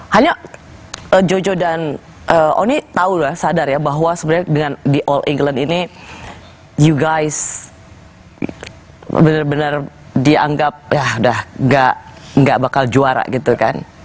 hanya jojo dan oni tahu lah sadar ya bahwa sebenarnya dengan di all england ini you guys ⁇ benar benar dianggap ya udah gak bakal juara gitu kan